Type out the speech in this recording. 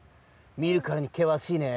みるからにけわしいね。